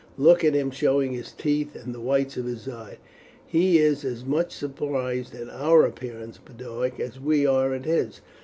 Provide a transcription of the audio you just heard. Look at him showing his teeth and the whites of his eyes. He is as much surprised at our appearance, Boduoc, as we are at his.